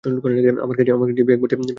আমার কাছে ব্যাগ ভর্তি ট্যাপ আছে।